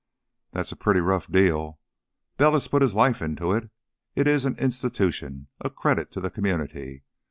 "That's a pretty rough deal. Bell has put his life into it. It is an an institution, a credit to the community.